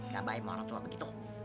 gak baik sama orang tua begitu